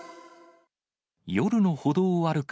夜の歩道を歩く